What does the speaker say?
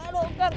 aduh kang kang